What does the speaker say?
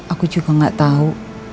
aku juga gak tau